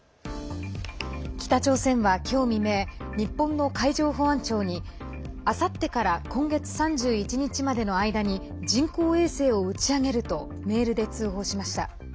北朝鮮は今日未明日本の海上保安庁にあさってから今月３１日までの間に人工衛星を打ち上げるとメールで通報しました。